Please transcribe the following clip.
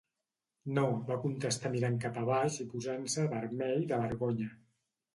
No, va contestar mirant cap abaix i posant-se vermell de vergonya.